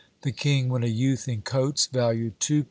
The King, when a youth in coats, valued £2.